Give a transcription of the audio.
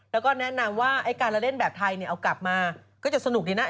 แล้วก็แนะนำว่าไอ้การเล่นแบบไทยเนี่ยเอากลับมาก็จะสนุกดีนะ